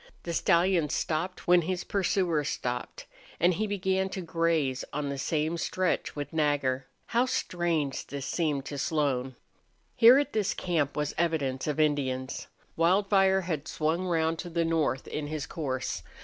The stallion stopped when his pursuers stopped. And he began to graze on the same stretch with Nagger. How strange this seemed to Slone! Here at this camp was evidence of Indians. Wildfire had swung round to the north in his course.